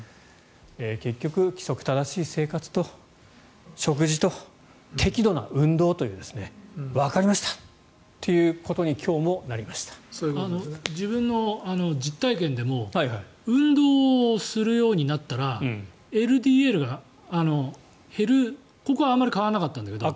結局、規則正しい生活と食事と適度な運動というわかりましたということに自分の実体験でも運動をするようになったらＬＤＬが減るここはあまり変わらなかったんだけど。